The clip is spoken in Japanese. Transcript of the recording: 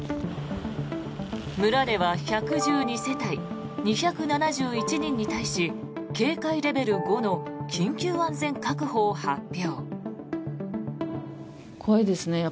村では１１２世帯２７１人に対し警戒レベル５の緊急安全確保を発表。